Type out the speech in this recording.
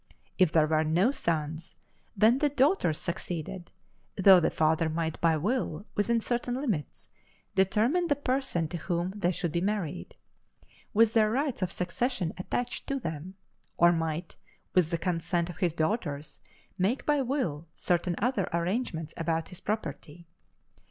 If there were no sons, then the daughters succeeded, though the father might by will, within certain limits, determine the person to whom they should be married, with their rights of succession attached to them; or might, with the consent of his daughters, make by will certain other arrangements about his property.